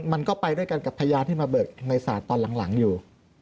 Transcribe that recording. มันก็ไปด้วยกันกับพยานที่มาเบิกในศาลตอนหลังอยู่